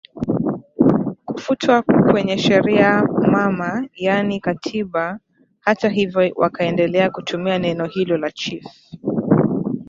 kufutwa kwenye sheria mama yaani Katiba Hata hivyo wakaendelea kutumia neno hilo la Chief